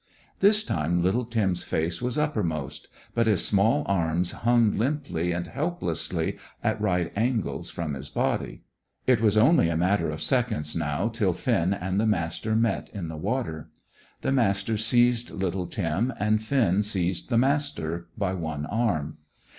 This time little Tim's face was uppermost; but his small arms hung limply and helplessly at right angles from his body. It was only a matter of seconds now till Finn and the Master met in the water. The Master seized little Tim, and Finn seized the Master, by one arm.